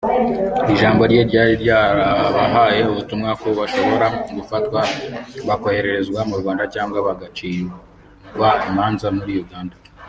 ijambo rye ryari ryarabahaye ubutumwa ko bashobora gufatwa bakoherezwa mu Rwanda cyangwa bagacirwa imanza muri Uganda